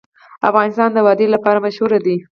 افغانستان د وادي لپاره مشهور دی.